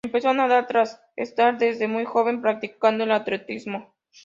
Empezó a nadar tras estar desde muy joven practicando el atletismo.